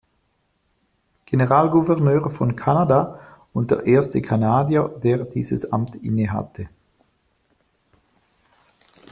Generalgouverneur von Kanada und der erste Kanadier, der dieses Amt innehatte.